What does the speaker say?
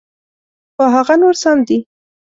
خو هغه نور سم دي.